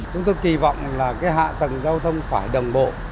chúng tôi kỳ vọng là cái hạ tầng giao thông phải đồng bộ